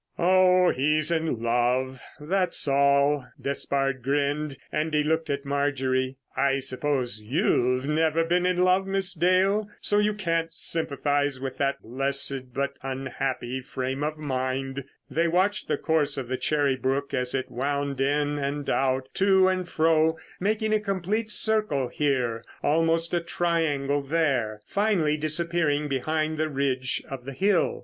"Oh, he's in love, that's all," Despard grinned. And he looked at Marjorie. "I suppose you've never been in love, Miss Dale, so you can't sympathise with that blessed but unhappy frame of mind." They watched the course of the Cherry Brook as it wound in and out, to and fro, making a complete circle here, almost a triangle there, finally disappearing behind the ridge of hill.